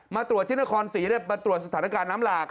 มาตรวจที่นครศรีมาตรวจสถานการณ์น้ำหลาก